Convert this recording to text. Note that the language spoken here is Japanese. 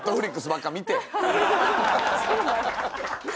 そうなの？